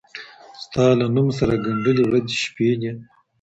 ستا له نوم سره گنډلي ورځي شپې دي